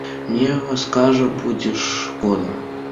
Мне вас, кажа, будзе шкода.